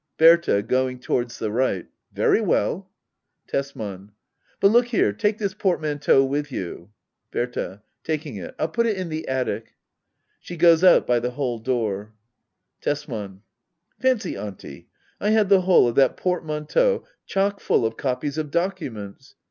Berta. [Going towards the right,] Very well. Tesman. But look here — take this portmanteau with you. Berta> [Taking it.] I'll put it in the attic. [She goes out In/ the hall door. Tesman. Fancy, Auntie — I had the whole of that port manteau chock full of copies of documents.